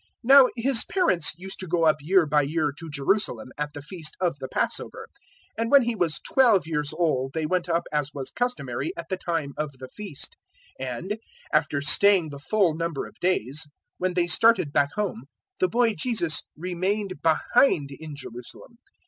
002:041 Now His parents used to go up year by year to Jerusalem at the Feast of the Passover. 002:042 And when He was twelve years old they went up as was customary at the time of the Feast, and, 002:043 after staying the full number of days, when they started back home the boy Jesus remained behind in Jerusalem.